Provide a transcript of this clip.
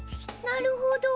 なるほど。